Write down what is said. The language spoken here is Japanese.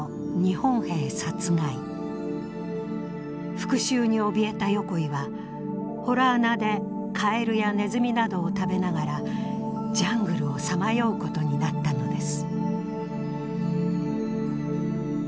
復讐におびえた横井は洞穴でカエルやネズミなどを食べながらジャングルをさまようことになったのです。